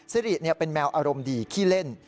สิริเป็นแมวอารมณ์ดีขี้เล่น